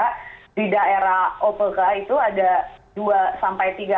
tapi di daerah opk itu ada dua tiga